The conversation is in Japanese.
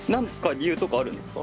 理由とかあるんですか？